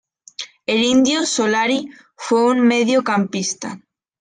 El "Indio" Solari fue un mediocampista.